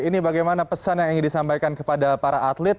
ini bagaimana pesan yang ingin disampaikan kepada para atlet